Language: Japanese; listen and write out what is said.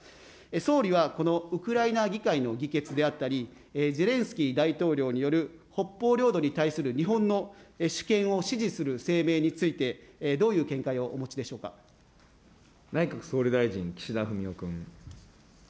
総理はこのウクライナ議会の議決であったり、ゼレンスキー大統領による北方領土に対する日本の主権を支持する声明について、内閣総理大臣、岸田文雄君。